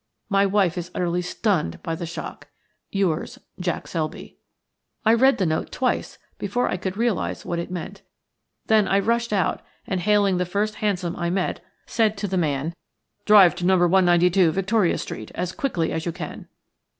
My wife is utterly stunned by the shock. – YOURS, JACK SELBY." I read the note twice before I could realize what it meant. Then I rushed out and, hailing the first hansom I met, said to the man:– "Drive to No. 192, Victoria Street, as quickly as you can."